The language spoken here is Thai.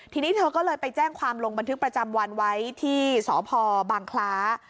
ทีนี้เธอก็เลยไปแจ้งความลงบันทึกประจำวันไว้ที่สพบางคล้า